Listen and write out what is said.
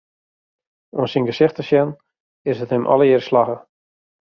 Oan syn gesicht te sjen, is it him allegear slagge.